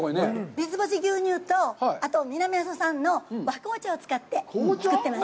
三ツ星牛乳と南阿蘇産の和紅茶を使って作ってます。